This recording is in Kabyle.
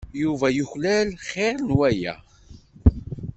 Yuba yuklal xir n waya.